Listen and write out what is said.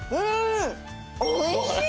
おいしい！